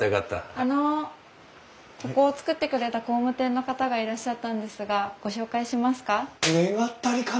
あのここを造ってくれた工務店の方がいらっしゃったんですがご紹介しますか？